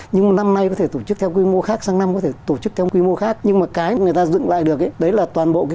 nhưng mà năm nay có thể tổ chức theo quy mô khác sang năm có thể tổ chức theo quy mô khác